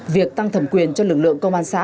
việc tăng thẩm quyền cho lực lượng công an xã